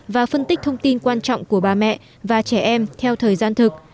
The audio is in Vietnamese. và phân tích thông tin quan trọng của bà mẹ và trẻ em theo thời gian thực